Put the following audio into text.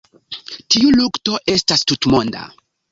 Tiu lukto estas tutmonda.